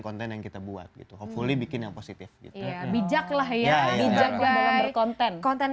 konten yang kita buat gitu hopefully bikin yang positif gitu bijaklah ya bijaklah konten konten